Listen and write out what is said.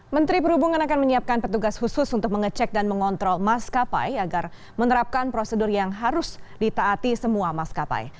menteri perhubungan akan menyiapkan petugas khusus untuk mengecek dan mengontrol maskapai agar menerapkan prosedur yang harus ditaati semua maskapai